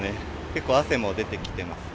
結構汗も出てきてます。